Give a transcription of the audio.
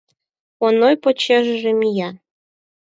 Оной почешыже мия: